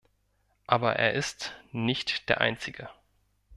Aber er ist nicht der Einzige.